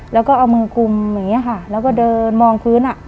แล้วก็เอามือกลุ่มอย่างนี้ค่ะแล้วก็เดินมองพื้นอ่ะ